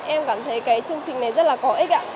em cảm thấy cái chương trình này rất là có ích ạ